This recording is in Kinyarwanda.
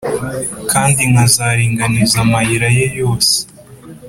kandi nkazaringaniza amayira ye yose.